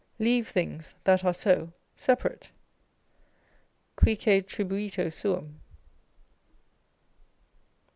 Leave things, that are so, separate. Cuique tribuito suum.